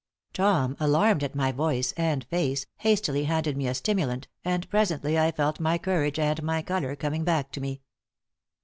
Tom, alarmed at my voice and face, hastily handed me a stimulant, and presently I felt my courage and my color coming back to me.